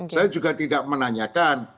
saya juga tidak menanyakan